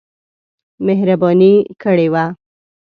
مهرباني کړې وه.